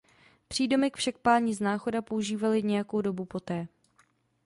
Přídomek však páni z Náchoda používali nějakou dobu poté.